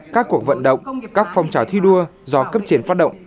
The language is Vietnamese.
các cuộc vận động các phong trào thi đua do cấp chiến phát động